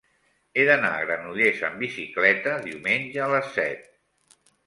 He d'anar a Granollers amb bicicleta diumenge a les set.